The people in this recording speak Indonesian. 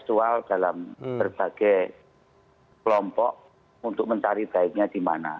lebih workable yang lebih kontekstual dalam berbagai kelompok untuk mencari baiknya di mana